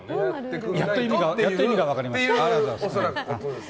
やっと意味が分かりました。